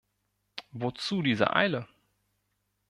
Wozu diese Eile?